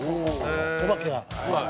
お化けが。